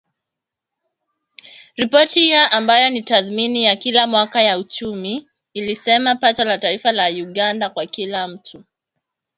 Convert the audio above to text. Ripoti hiyo, ambayo ni tathmini ya kila mwaka ya uchumi, ilisema pato la taifa la Uganda kwa kila mtu.